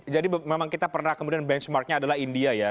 jadi memang kita pernah kemudian benchmarknya adalah india ya